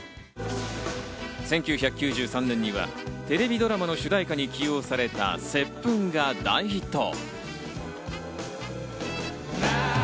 １９９３年にはテレビドラマの主題歌に起用された『接吻−ｋｉｓｓ−』が大ヒット。